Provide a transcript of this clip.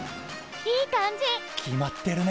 いい感じ！決まってるね。